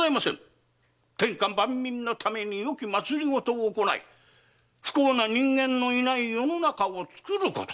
天下万民の為に良き政を行い不幸な人間のいない世の中を作ること。